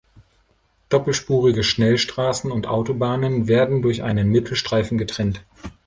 Doppelspurige Schnellstraßen und Autobahnen werden durch einen Mittelstreifen getrennt.